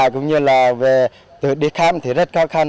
cũng như là về đi khám thì rất khó khăn